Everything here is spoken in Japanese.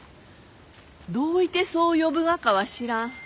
どういてそう呼ぶがかは知らん。